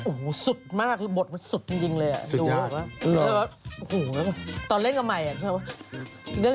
โอ้โฮสุดมากบทมันสุดจริงเลยอ่ะ